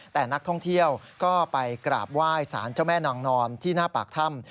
แต่นักท่องเที่ยวก็ไปกราบไหว้สารเจ้าแม่นางนอนที่หน้าปากถ้ำ